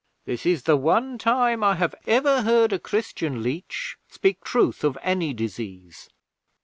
This is the one time I have ever heard a Christian leech speak truth of any disease.